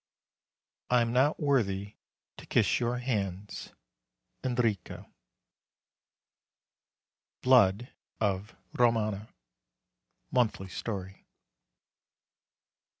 I am not worthy to kiss your hands. ENRICO. BLOOD OF ROMAGNA (Monthly Story.)